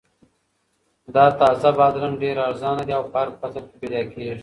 دا تازه بادرنګ ډېر ارزانه دي او په هر فصل کې پیدا کیږي.